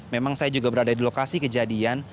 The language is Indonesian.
memang saya juga berada di lokasi kejadian